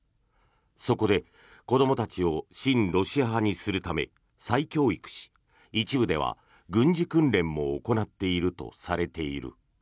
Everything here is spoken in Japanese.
そこで、子どもたちを親ロシア派にするため再教育し一部では軍事訓練も行っているとされている。